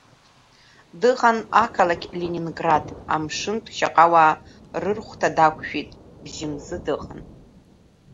Дыҟан ақалақь Ленинград, амшынтә шьаҟауаа рырхәҭа дақәшәеит, бжьымз дыҟан.